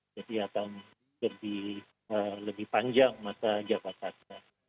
jadi akan lebih panjang masa jabatan